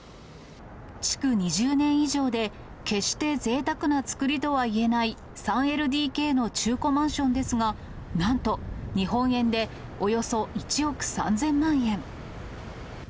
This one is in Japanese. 築２０年以上で、決してぜいたくな造りとはいえない３ＬＤＫの中古マンションですが、なんと、日本円でおよそ１億３０００万円。